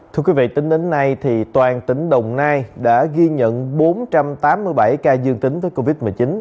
thưa quý vị tính đến nay toàn tỉnh đồng nai đã ghi nhận bốn trăm tám mươi bảy ca dương tính với covid một mươi chín